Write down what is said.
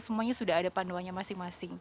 semuanya sudah ada panduannya masing masing